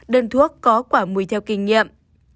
ba đơn thuốc có quả mùi theo kinh nghiệm